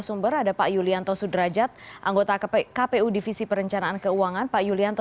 selamat sore mbak putri selamat sore pak yulianto